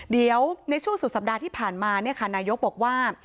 เดี๋ยวในช่วงสุดสัปดาห์ที่ผ่านมานายกบอกว่า